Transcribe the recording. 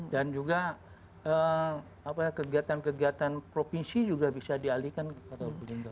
dan juga eee apa ya kegiatan kegiatan provinsi juga bisa dialihkan kepada lubuk tinggal